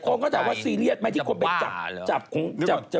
ไปโฟกัสผิดจุดจิอ๋อ